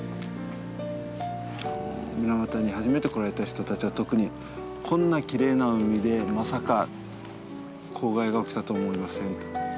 水俣に初めて来られた人たちは特にこんなきれいな海でまさか公害が起きたと思いませんと。